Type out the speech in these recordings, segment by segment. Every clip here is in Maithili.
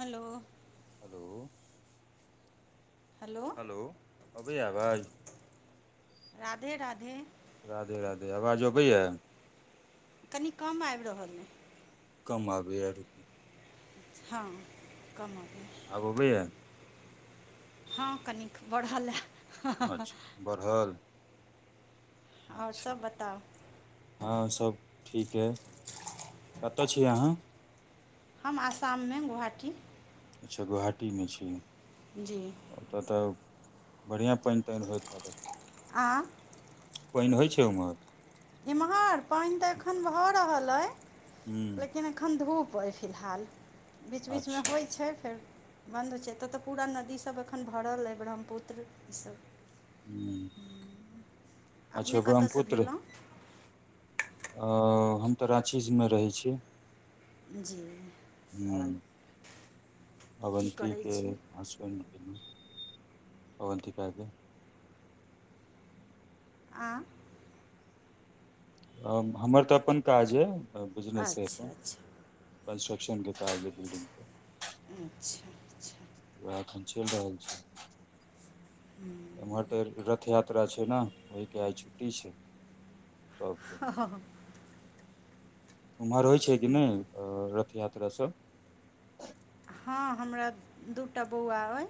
हेलो हेलो हेलो अबैया आवाज राधे राधे राधे राधे आवाज अबैया कनि कम आबि रहल यै कम आबै या हँ कम आबै अबैया हँ कनिक बढ़हल हे अच्छा बढ़ल आओर अच्छा सब बताउ हँ सब ठीक अइ कतऽ छी आहाँ हम आसाम मे गोहाटी अच्छा गोहाटी मे छी जी ओतय तऽ बढ़िआँ पानि तानि होइत हे आ पानि होइ छै ओम्हर एम्हर पानि तऽ एखन भऽ रहल अइ हूँ लेकिन अखन धूप अइ फिलहाल बीच बीच मे अच्छा होइ छै फेर बन्द होइ छै एतऽ तऽ पूरा नदी सब एखन भरल अइ ब्रह्मपुत्र ईसभ हूँ अच्छा अपने कतयसँ भेलौं अंऽ हम तऽ राँची मे रहै छी जी हूं की अवस्थी करै के छी हसबैंड अवंतिका के आँ तब हमर तऽ अपन काज अइ बिजनेस अइ अच्छा अच्छा कंस्ट्रक्शनक के काज अइ बिल्डिंग के अच्छा अच्छा उह एखन चलि रहल छै एमहर तऽ रथ यात्रा छै न ओई के आइ छुट्टी छै सब ह ह ओम्हर होइ छै कि नय रथ यात्रा सब हँ हमरा दूटा बौआ अइ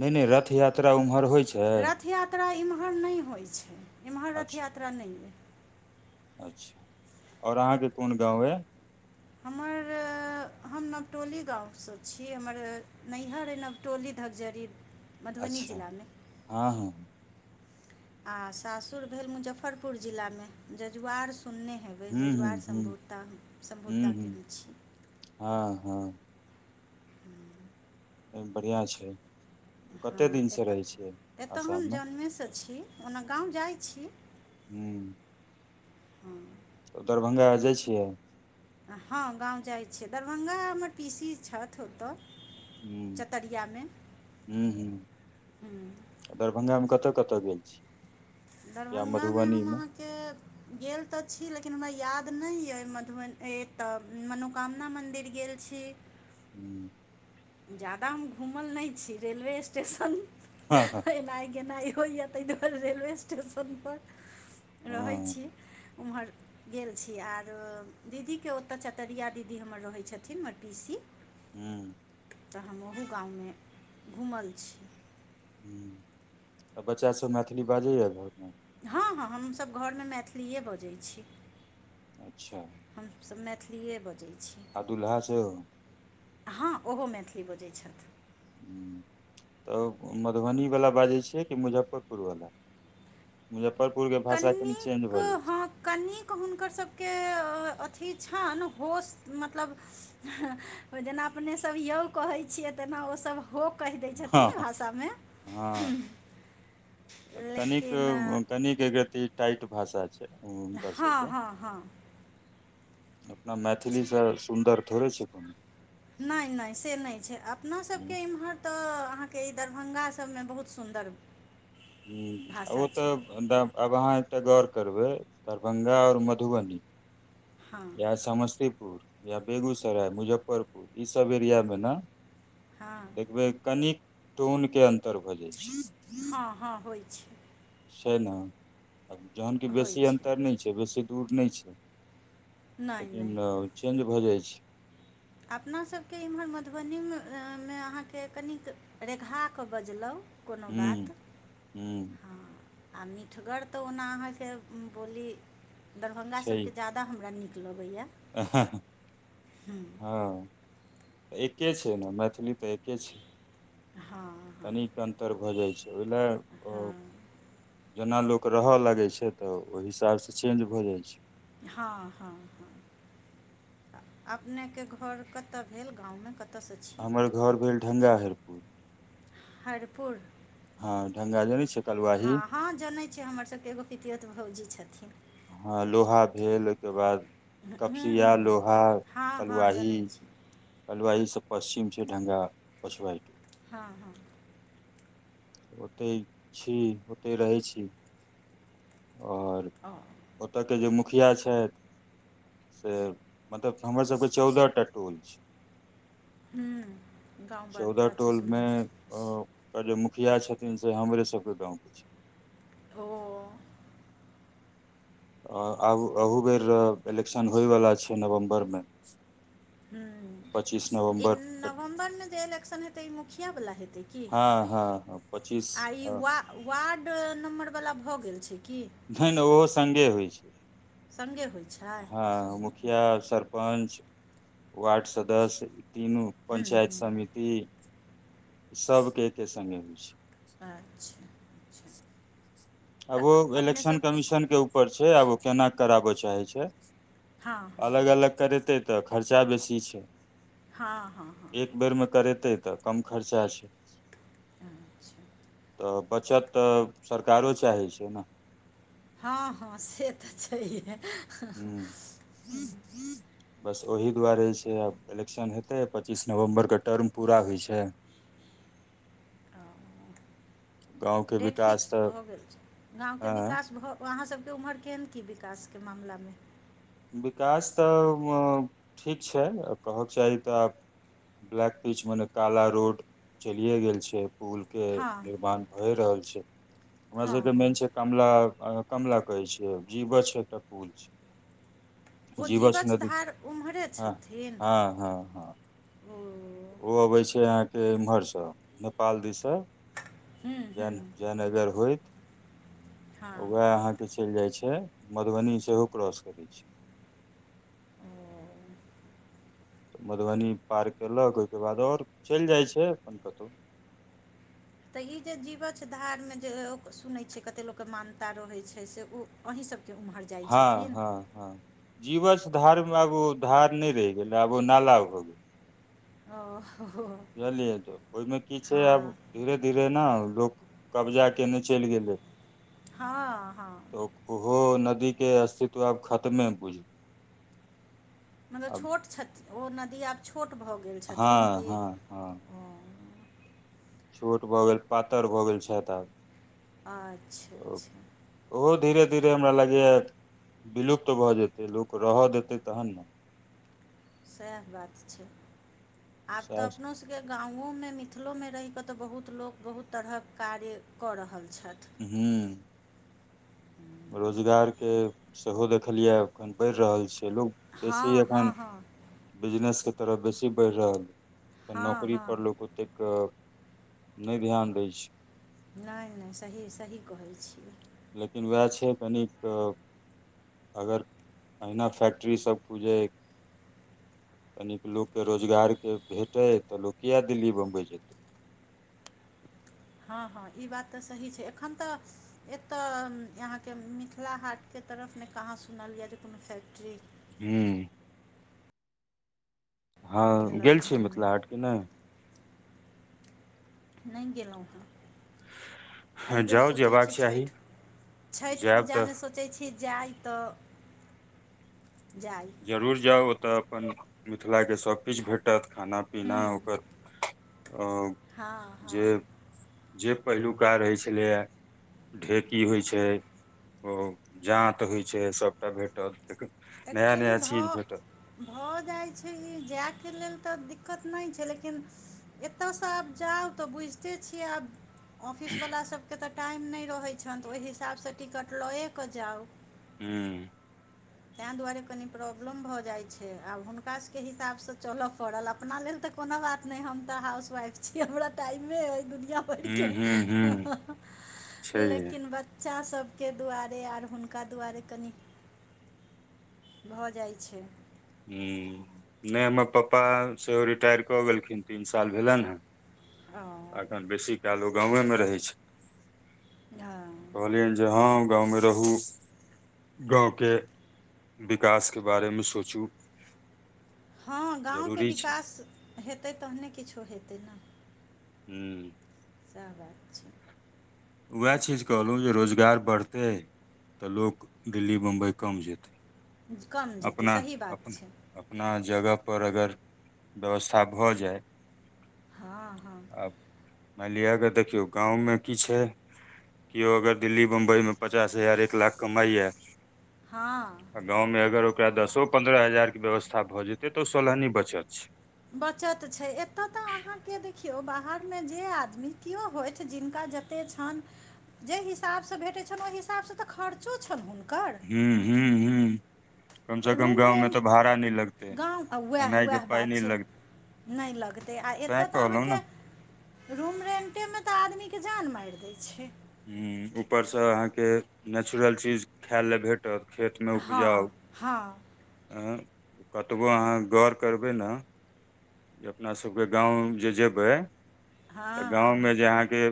नय नय रथ यात्रा ओम्हर होइ छै रथ यात्रा इम्हर नय होइ छै एम्हर रथ अच्छा यात्रा नय अइ अच्छा आओर अहाँके कोन गाँव अइ हमर हम नवटोली गाँवसँ छी हमर नैहर अइ नवटोली धकजरी मधुबनी अच्छा जिलामे हँ हँ आ सासुर भेल मुजफ्फरपुर जिला मे जजुआर सुनने हे हूँ हूँ जजुआर हूँ समभो हूँ सम्भोताके हूँ हम छी। हँ हँ। हूँ बढ़िआँ छै। कते हँ दिनसँ एतऽ रहै छियै एतय हम आसाममे जन्मेसँ छी ओना गाँव जाइ छी। हूँ। हँ त दरभंगा जाइ छियै। हँ गाँव जाइ छियै दरभंगामे पी सी छथि ओतय। हूँ हूँ हूँ हूँ दरभंगामे कतऽ कतऽ गेल छियै दरभंगामे हम अहाँके गेल तऽ छी लेकिन हमरा याद नै अइ मधु एतय मनोकामना मन्दिर गेल छी हूँ। ज्यादा हम घूमल नै छी रेलवे स्टेशन। हँ हँ। एनाइ गेनाइ होइया ताहि दुआरे रेलवे स्टेशन पर रहै हँ हूँ छी। उमहर। गेल छी आर दीदीके ओतय चतरिया दीदी हमर रहै छथिन हमर पी सी हूँ तऽ हम ओहो गाममे घुमल छी हूँ त बच्चासब मैथिली बाजैए घरमे हँ हँ हमसब घरमे मैथिलीए बजै छी अच्छा हमसब मैथिलीए बजै छी आ दुल्हा सेहो हँ ओहो मैथिली बजै छथि हूँ तऽ मधुबनीवला बाजै छियै कि मुजफ्फरपुरवला मुजफ्फरपुरके भाषा कनि चेंज कनिक भऽ जाइ छै हँ कनिक हुनकर सबके अथी छनि होश मतलब जेना अपनेसब यौ कहै छियै तेना ओस होक कहि दै छथिन भाषामे तनिक लेकिन कनिक एकरति टाइट भाषा छै हुनकर हँ सबके हँ हँ अपना छै मैथिलीसँ सुन्दर थोड़े छै कोनो नै नै से नै छै अपना सबके हूँ इम्हर तय अहाँके दरभांगा सबमे बहुत सुन्दर हूँ ओ भाषा छै तऽ आब अहाँ एकटा गौर करबै दरभंगा आओर मधुबनी हँ या समस्तीपुर या बेगूसराय मुजफ्फरपुर ईसब एरियामे न हँ एक बेर कनिक टोनके अन्तर भऽ जाइ छै अहाँ होइ छी छै न जहन कि होइ बेसी छै अन्तर नै छै बेसी दूर नै छै नहि नहि लेकिन चेंज भऽ जाइ छै अपनासबके एम्हर मधुबनीमे अहाँके कनिक रेगाके बजलहुँ। कोनो बात हूँ हू। हँ आ मीठगर तऽ ओना अहाँके बोली दरभंगा सभ के ज़्यादा के हमरा नीक लगैया। अहाँ हा तऽ ए के छै ने मैथिली तऽ एके छै। हँ ह कनिक अन्तर भऽ जाइ छै। ओहि लए हँ जेना लोक रहऽ लागै छै। तऽ ओहि हिसाब सँ चेंज भऽ जाइ छै। हँ हँ हँ अपने के घोर कतऽ भेल गाँव में कत हमर घोर भेल ढङग हरपुर भरपूर हैं ढंगा जनै छिय कलवाही ह जनै छिय हमर सभ के एगो पितियत भाउजी छथिन हा लोहा भेल ओहिके बाद हूँ हूँ कपसिया हूँ लोहा हँ हँ कलुआही जनै छी कलुवााही सँ पश्चछिम छैय ढंगा पछुआ। ह ह ओतहि छी ओतहि रहै छी हा और हँ। ओत के जे मुखिया छथिन। सऽ मतलब हमर सभ के चौदह टा टोल छै। हा चौदह टोलमे के जे मुखिया छथिन से हमरे सभ के गाँव के छैय ओ। आ आब अहू बेर इलेक्शन होयवला छैय नवम्बर में ह इ नवम्बर में जे इलेक्शन हेतै मुखियावला हेतै की हा ह ह पच्चीस आ ई वा वार्ड नम्बरवला भऽ गेल छै। कि नहि नहि ओहो सगे होइ छै। सङ्गे होइ छै हँ हूँ मुखिया सरपंच वार्ड सदस्य तीनू पञ्चायत हूँ समिति सभ के एके संगे होइ छै। अच्छा अच्छा। आब ओ तऽ अपने इलेक्शन सब कमीशन के ऊपर छैय आब ओ केना कराबय चाहै छै। हँ हँ अलग हँ अलग करेतै तऽ खर्चा बेसी छै। हँ हँ हँ एक बेर में करेतै तऽ कम खर्चा छै। अच्छा तऽ बचत तऽ सरकारो चाहै छै। न हा ह से तऽ छैहे हू हँ बस ओहि दुआरे जे छै। आब इलेक्शन हेतै पच्चीस नवम्बरके टर्म पूरा होइ छै। [inaudible] ह गाँव के डेट विकास फिक्स तऽ भऽ गेल छैय गाँव के अ विकास भऽ ओ अहाँ सभके उम्हर केहन कि विकासके मामलामे विकास तऽ ठीक छैय कहक चाही तऽ आब ब्लैक पिच मने काला रोड चलिए गेल छैय पुल के हँ निर्माण भए रहल छैय हमरा हँ सबके हँ मेन छैय कमला कमला कहे छिय जीवछ एकटा पुल छैय ओ जीवछ धार ओम्हरे हँ छथिन हँ हँ हँ ओ ओ अबै छैय अहाँके एम्हरसँ नेपाल दिससँ हूँ हूँ जयनगर होइत हँ वैहं से चैल जाइ छैय मधुबनी सेहो क्रॉस करै छैय ओ मधुबनी पार कयलक ओइके बाद और चैल जाइ छैय अपन कतो तही जे जीवछ धार में जे सुनै छिय कते लोक के मानता रहे छैय से ओ अहीं सब के उम्हर हँ हँ हँ जीवछ धार मे आब ओ धार नय रेह गेल आब ओ नाला भ गेलै ओ [unintelligible] बुझलियै तऽ ओहिमे की छैय अब हँ धीरे धीरे न लोक कब्जा केने चैल गेलै हँ हँ तऽ ओहो नदीके अस्तित्व आब खतमे बुझू मतलब आब छोट छथी ओ नदी आब छोट भऽ गेल हँ छथिन कि हँ हँ ओ छोट भऽ गेल पातर भऽ गेल छैथ आब अच्छा तऽ अच्छा ओहो धीरे धीरे हमरा लागैए विलुप्त भऽ जेतै लोक रह देतै तहन न सएह बात छैय आब तऽ अपनो स ब के गांवोमे मिथिलोमे रहिकऽ तऽ बहुत लोक बहुत तरहक कार्य कऽ रहल छैथ हूँ [inaudible] रोजगारके सेहो देखलियै एखन बैढ़ रहल छै लोक बेसी हँ एखन हँ हँ बिजनेस के तरफ बेसी बैढ़ रहल हँ नौकरी हँ पर लोक ओतेक नय ध्यान दय छै नय नय सही सही कहै छियै लेकिन वैह छै कनिक अगर अहिना फैक्ट्री सब खुजे कनिक लोकके रोजगारके भेटै तऽ लोक किएक दिल्ली बम्बइ जेतै हँ हँ ई बात तऽ सही छै एखन तऽ एतय अहाँके मिथिला हाटके तरफ में कहाँ सुनलीय जे कोनो फैक्ट्री हूँ हँ भेलनि गेल हँ छीयै ओहिमे मिथिला हाटके नय नइ गेलो हँ एहि बेर जाउ सोचै जेबाक छी चाही छैठ छैठ जायब तऽ पूजामे सो सोचैइ छी जाइ तऽ जाइ जरूर जाउ ओतय अपन मिथिलाके सभकिछ भेटत खाना पीना हूँ ओकर हँ जे हँ जे पहिलुका रहै छलैया ढेकी होइ छै ओ जाँत होइ छै सभटा भेटत नया एक्चुअली नया चीज भऽ भेटत भऽ जाइ छै ई जेऽ के लेल तऽ दिक्कत नय छै लेकिन एतयसँ आब जाउ तऽ बुझिते छियै आब ऑफिस वला सभके तऽ टाइम नय रहै छनि तऽ ओहि हिसाबसँ टिकट लयेऽ कऽ जाउ हूँ तैँ दुआरे कनि प्रॉब्लम भऽ जाइ छै आब हुनका सभके हिसाबसँ चलय पड़ल अपना लेल तऽ कोनो बात नय हम तऽ हाउस वाइफ छी हमरा टाइमे अइ दुनिआ [unintelligible] हूँ हूँ हूँ छैहे लेकिन बच्च बच्चा सबके दुआरे आओर हुनका दुआरे कनि भऽ जाइ छै हूं नय हमर पप्पा सेहो रिटायर कऽ गेलखिन तीन साल भेलनि हँ हंहंहं एखन बेसी काल ओ गावे मे रहै छै हँ कहलियनि जे हँ गाँव मे रहू गाँव के विकास के बारे मे सोचू हँ गाँव के जरूरी छै विकास हेतै तहने किछो हेतै न हूँ सेह बात छै उएह चीज कहलहुँ जे रोजगार बढ़तै तऽ लोक दिल्ली बम्बइ कम जेतै किछ कम जेतै अपना सही बात अपना छै अपना जगह पर अगर व्यवस्था भऽ जाय हँ हँ आब मानि लिअ क देखियौ गाँव मे की छै किओ अगर दिल्ली बम्बइ मे पचास हजार एक लाख कमाइए हँ आ गाँव मे अगर ओकरा दसो पन्द्रह हजार के व्यवस्था भऽ जेतै तऽ सोलहनी बचत छैय बचत छै एतय तऽ अहाँके देखियौ बाहर मे जे आदमी केओ होथि जिनका जत छैन जे हिसाबसँ भेटै छनि ओई हिसाबसँ तऽ खर्चो छनि हुनकर हूँ हूँ हूँ कम से कम रूम गाँव मे रेंट तऽ भाड़ा नै लगतेै गाँव खेनाय के पाय नै लगतेै नै लगतै आ एतऽ तऽ आहाँके ने रूम रेन्टे मे तऽ आदमी के जान माइर दै छै हुँ ऊपर स अहाँ के नेचुरल चीज खाए लेए भेटत खेत मे हँ उपजाऊ हँ अंह कतबो अहाँ गऽर करबै न जे अपना सबके गाँव जे जेबै तऽ हँ हँ गाँवमे जे आहाँ के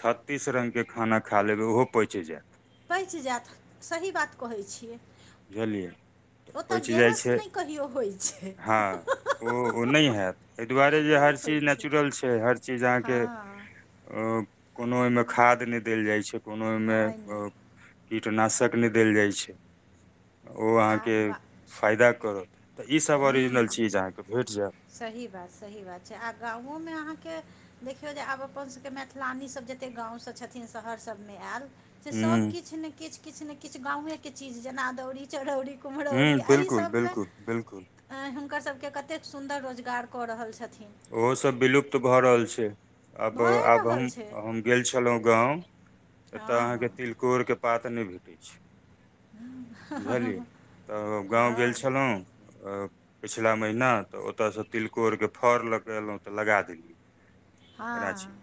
छत तीस रंग के खाना खा लेबै उहो पैच जेऽत पैच जेऽत सही बात कहै छियै बुझलियै ओतऽ पैच जाई गैस छै नहि कहियो होइ छै हँ ओ-ओ नय हेऽत तैय दुआरे जे नहि हर होइ चीज नेचुरल छै हर चीज आहाँ के हँ ओ कोनो ओयमे खाद नय देल जाइ छै कोनो ओयमे नहि नहि कीटनाशक नय देल जाय छै ओ अहाँ आ के गा फायदा करतऽ इ सब हूँ ओरिजनल छै अहाँ के भेट जाइत् सही बात -सही बात छै आ गाँवो मे अहाँ के देखियौ जे आब अपन सब के मैथलानी सब जतेक गाँव सँ छथिन शहर सब मे आइल ह सब किछ नेै किछ- किछ ने किछ गावे के चीज जेना की अदौरी चरौरी ह कुमरौरी अही बिलकुल सब मे बिलकुल बिलकुल आई हुनकर सबके कतेक सुन्दर रोजगार कऽ रहल छथिन ओहो सब विलुप्त भ रहल छै आब भए -आब रहल छै हम- हम गेल छेलौ गाँव एतऽ हँ अहाँके हँ तिलकोर के पात नै भेटैय छैय बुझलियै तऽ गाँव गेल हँ छेलौ पिछला महिना तऽ ओत स तिलकोरके फड़ लऽ कऽ एयलौ तऽ लगा देलियै गाछी हँ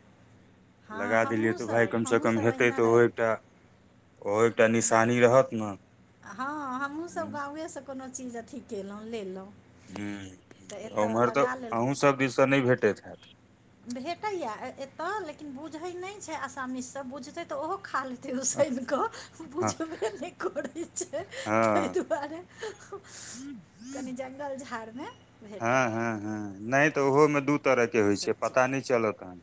हँ लगा देलियै तऽ भाय हमहूँसभ कम स कम हमहूँसभ हेतै अहिना तऽ ओहो रह एकटा ओहो एकटा निशानी रहत न हँ हमहुँ सब गाँवे स कोनो चीज अथी केलौं लेलौं हुँ ओम्हर तऽ अहुँ सब दिसन नै भेटैत हएत भेटै या एतऽ लेकिन बुझय नै छैय आसामी सब बुझतेै तऽ ओहो खाल ले हँ उसयन क बुझबे नैय करैय छै तैय हँ दुआरे कनि जंगल झाड़ मे हँ हँ हँ नै तऽ ओहोमे दू तरहके होइ ओसभ छै चीज पता नै चलत आहाँ